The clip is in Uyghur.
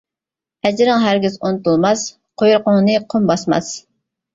ئەجرىڭ ھەرگىز ئۇنتۇلماس، قۇيرۇقۇڭنى قۇم باسماس.